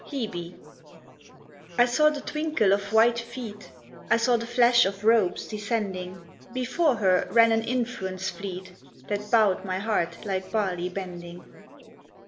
HEBE. I saw the twinkle of white feet, I saw the flash of robes descending; Before her ran an influence fleet, That bowed my heart like barley bending.